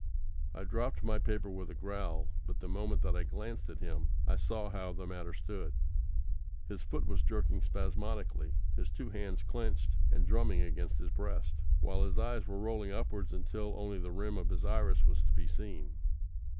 I dropped my paper with a growl, but the moment that I glanced at him I saw how the matter stood. His foot was jerking spasmodically, his two hands clenched, and drumming against his breast, while his eyes were rolling upwards until only the rim of his iris was to be seen.